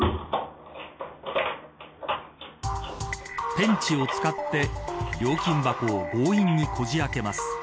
ペンチを使って、料金箱を強引にこじ開けます。